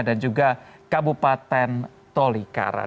dan juga kabupaten tolikara